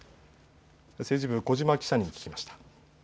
政治部の小嶋記者に聞きました。